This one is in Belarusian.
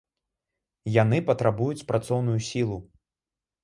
Яны патрабуюць працоўную сілу.